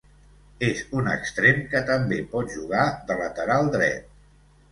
És un extrem que també pot jugar de lateral dret.